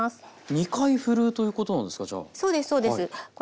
２回ふるうということなんですか？